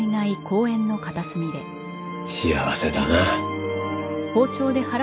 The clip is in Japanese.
幸せだな。